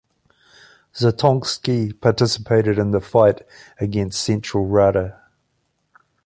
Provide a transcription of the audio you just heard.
Zatonsky participated in the fight against the Central Rada.